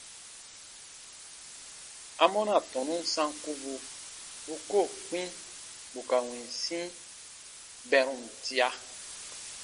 Amɔna tɔnu sankubu bu koo kpĩ bù ka winsi bɛrum tia?